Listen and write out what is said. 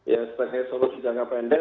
ya sebagai solusi jangka pendek